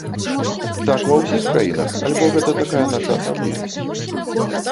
Так ва ўсіх краінах альбо гэта такая наша асаблівасць?